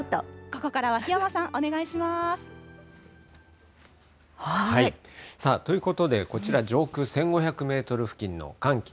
ここからは檜山さん、お願いしまさあ、ということでこちら、上空１５００メートル付近の寒気。